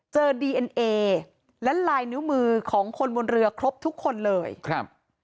ดีเอ็นเอและลายนิ้วมือของคนบนเรือครบทุกคนเลยครับ